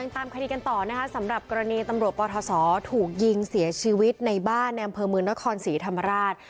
ตามคดีกันต่อนะคะสำหรับกรณีตำรวจปทศถูกยิงเสียชีวิตในบ้านในอำเภอเมืองนครศรีธรรมราช